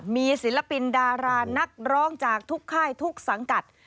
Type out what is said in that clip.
มีศิลปินดารานักร้องจากทุกค่ายทุกสังกัด